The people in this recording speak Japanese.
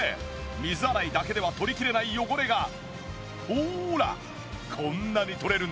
水洗いだけでは取りきれない汚れがほらこんなに取れるんです。